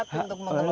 hak untuk mengelola